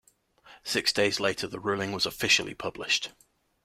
Six days later the ruling was officially published.